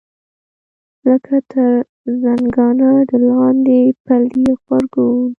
لکه تر زنګانه د لاندې پلې غبرګون.